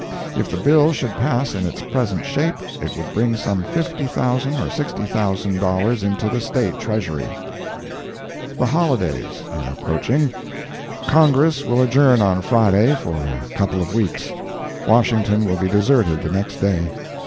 If the bill should pass in its present shape it would bring some $50,000 or $60,000 into the State Treasury. THE HOLIDAYS Are approaching. Congress will adjourn on Friday for a couple of weeks. Washington will be deserted the next day.